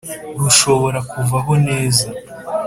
rushobora kuvaho neza